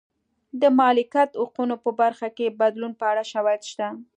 د مالکیت حقونو په برخه کې بدلون په اړه شواهد شته.